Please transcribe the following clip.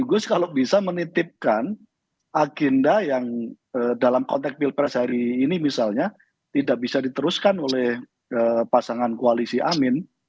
bagus kalau bisa menitipkan agenda yang dalam konteks pilpres hari ini misalnya tidak bisa diteruskan oleh pasangan koalisi amin